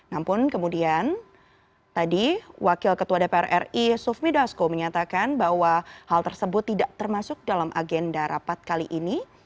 namun kemudian tadi wakil ketua dpr ri sufmi dasko menyatakan bahwa hal tersebut tidak termasuk dalam agenda rapat kali ini